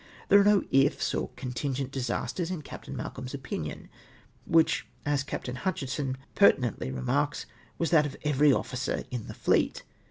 There are no "//s" or contingent disasters in Captain Mal colm's opinion, which, as Captain Hutchinson perti nently remarks, was that of every officer in the fleet.